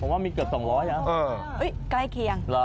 ผมว่ามีเกิดสองร้อยนะเอออุ๊ยใกล้เคียงหรอ